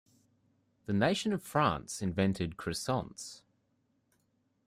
The nation of France invented croissants.